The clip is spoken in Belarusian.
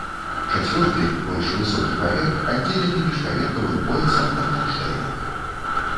Чацвёрты, больш высокі паверх, аддзелены міжпаверхавым поясам на кранштэйнах.